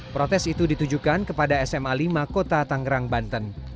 protes itu ditujukan kepada sma lima kota tangerang banten